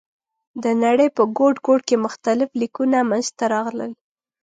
د نړۍ په ګوټ ګوټ کې مختلف لیکونه منځ ته راغلل.